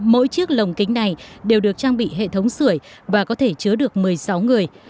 mỗi chiếc lồng kính này đều được trang bị hệ thống sửa và có thể chứa được một mươi sáu người